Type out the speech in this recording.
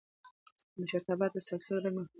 د مشرتابه تسلسل يې مهم باله.